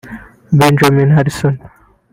Benjamin Harrison